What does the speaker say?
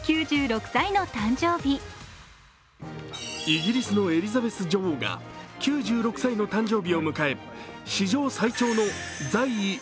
イギリスのエリザベス女王が９６歳の誕生日を迎え史上最長の在位